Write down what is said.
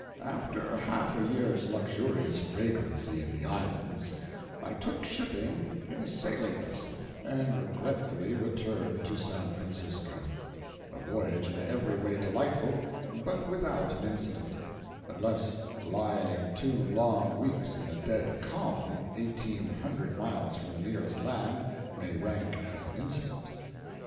After half a year's luxurious vagrancy in the islands, I took shipping in a sailing vessel, and regretfully returned to San Francisco—a voyage in every way delightful, but without an incident: unless lying two long weeks in a dead calm, eighteen hundred miles from the nearest land, may rank as an incident.